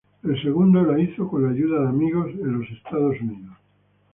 El segundo, lo hizo con la ayuda de amigos en Estados Unidos.